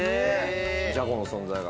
じゃこの存在が。